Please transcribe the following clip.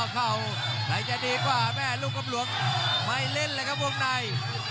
เข่าใครจะดีกว่าแม่ลูกกำหลวงไม่เล่นเลยครับวงใน